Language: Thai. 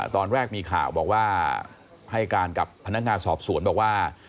ตอนแรกมีข่าวบอกว่าให้การกับพนักงานสอบสวนบอกว่า